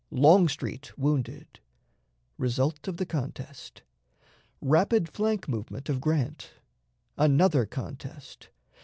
Longstreet wounded. Result of the Contest. Rapid Flank Movement of Grant. Another Contest.